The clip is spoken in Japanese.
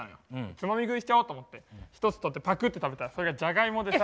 つまみ食いしちゃおうと思って一つ取ってパクッて食べたらそれがじゃがいもでさ。